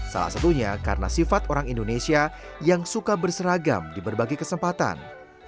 salah satunya karena sifat orang indonesia yang suka berseragam di berbagai kesempatan